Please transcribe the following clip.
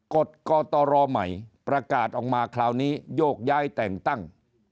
กฎกตรใหม่ประกาศออกมาคราวนี้โยกย้ายแต่งตั้ง